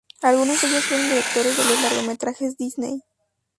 Algunos de ellos fueron directores de los largometrajes Disney.